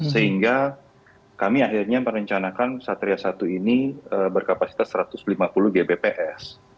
sehingga kami akhirnya merencanakan satria satu ini berkapasitas satu ratus lima puluh gbps